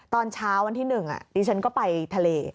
ตอนเช้าวันที่๑ดิฉันก็ไปทะเล